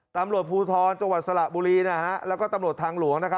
ตำรวจภูทรจังหวัดสระบุรีแล้วก็ตำรวจทางหลวง